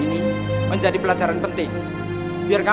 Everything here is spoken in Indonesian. diberi pelajaran nyata